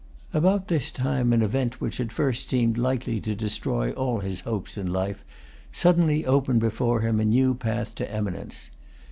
About this time an event which at first seemed likely to destroy all his hopes in life suddenly opened before him a new path to eminence.